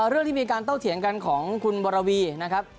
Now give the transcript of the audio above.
เรื่องที่มีการโต้เถียงกันของคุณวรวีนะครับ